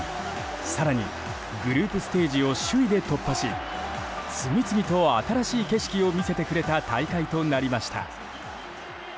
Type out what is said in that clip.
更に、グループステージを首位で突破し次々と新しい景色を見せてくれた大会となりました。